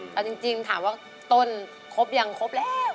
เอาจริงถามว่าต้นครบยังครบแล้ว